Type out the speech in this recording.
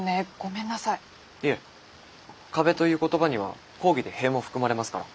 いえ壁という言葉には広義で塀も含まれますから。